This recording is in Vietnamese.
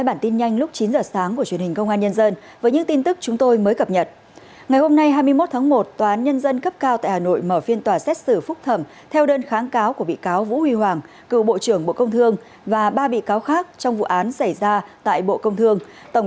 bốn bị cáo kháng cáo trong vụ án này gồm vũ huy hoàng cựu bộ trưởng bộ công thương